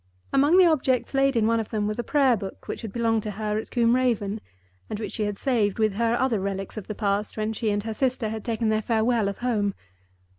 Among the objects laid in one of them was a Prayer book which had belonged to her at Combe Raven, and which she had saved with her other relics of the past, when she and her sister had taken their farewell of home.